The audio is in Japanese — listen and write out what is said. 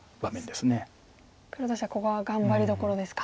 黒としてはここは頑張りどころですか。